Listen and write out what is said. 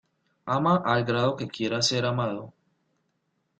Ama al grado que quieras ser amado.